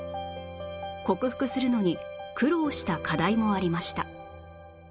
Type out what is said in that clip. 克服するのに苦労した課題もありました